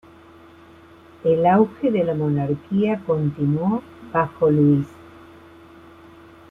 El auge de la monarquía continuó bajo Luis.